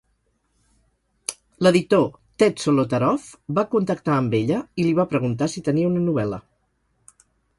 L'editor Ted Solotaroff va contactar amb ella i li va preguntar si tenia una novel·la.